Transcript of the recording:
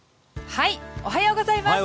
おはようございます。